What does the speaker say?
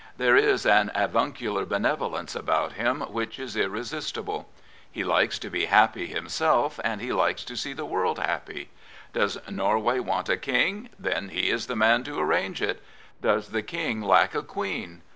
There is an avuncular benevolence about him which is iiTesistit)le7"lSe likes to be happy himself, and he likes to see the world happy. Does Norway want a King? Then he is the man to arrange it. Does the king lack a queen?